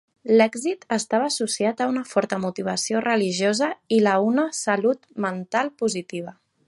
L'èxit estava associat a una forta motivació religiosa i la una salut mental positiva.